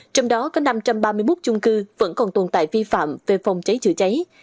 trong đó có năm trăm ba mươi một chung cư vẫn còn tồn tại vi phạm về phòng cháy chữa cháy